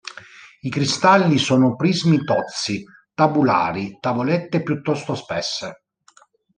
I cristalli sono prismi tozzi, tabulari, tavolette piuttosto spesse.